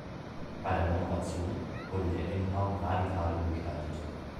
Bei der Renovation wurde der Innenraum Radikal umgestaltet.